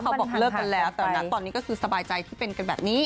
เขาบอกเลิกกันแล้วแต่ตอนนี้ก็สบายใจที่เป็นแบบนี้